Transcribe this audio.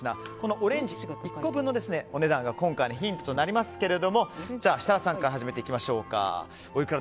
オレンジ１個分のお値段が今回のヒントとなりますが設楽さんから始めていきましょうか。